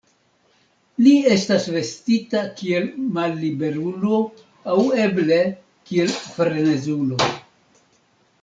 Li estas vestita kiel malliberulo aŭ eble kiel frenezulo.